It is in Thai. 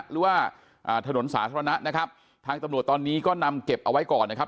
หรือว่าถนนสาธารณะนะครับทางตำรวจตอนนี้ก็นำเก็บเอาไว้ก่อนนะครับ